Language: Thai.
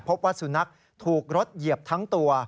พบว่าสุนัขถูกรถเหยียบทั้งตัว